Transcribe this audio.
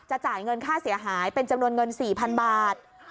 จ่ายเงินค่าเสียหายเป็นจำนวนเงิน๔๐๐๐บาท